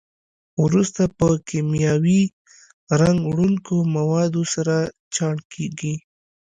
وروسته په کیمیاوي رنګ وړونکو موادو سره چاڼ کېږي.